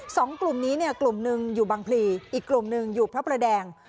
สองกลุ่มนี้เนี่ยกลุ่มหนึ่งอยู่บางพลีอีกกลุ่มหนึ่งอยู่พระประแดง